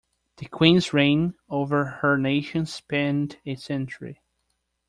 The queen’s reign over her nation spanned a century.